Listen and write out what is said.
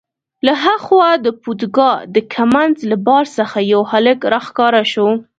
له ها خوا د پودګا د کمند له بار څخه یو هلک راښکاره شو.